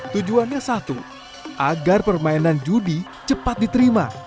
tujuannya satu agar permainan judi cepat diterima